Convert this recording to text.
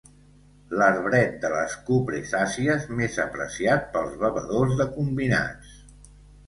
L'arbret de les cupressàcies més apreciat pels bevedors de combinats.